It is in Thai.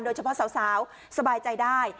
โดยเฉพาะสาวสบายใจได้